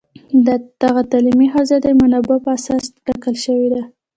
دغه تعلیمي حوزه د منابعو په اساس ټاکل شوې ده